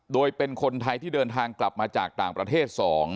โดยเป็นคนไทยที่เดินทางกลับมาจากต่างประเทศ๒